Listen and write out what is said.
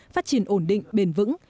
phát triển ổn định bền vững